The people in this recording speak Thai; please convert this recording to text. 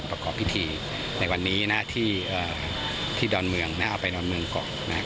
เป็นประกอบพิธีในวันนี้นะครับที่ดอนเมืองนะครับเอาไปดอนเมืองก่อนนะครับ